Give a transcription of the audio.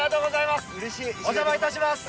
お邪魔いたします。